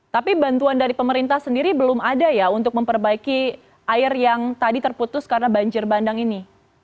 tapi bantuan dari pemerintah sendiri belum ada ya untuk memperbaiki air yang tadi terputus karena banjir bandang ini